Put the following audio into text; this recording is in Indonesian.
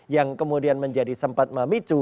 yang kemudian menjadi sempat memicu